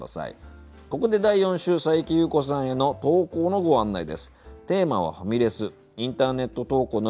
ここで第４週佐伯裕子さんへの投稿のご案内です。